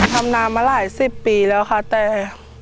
ทำนามาหลายสิบปีแล้วค่ะแต่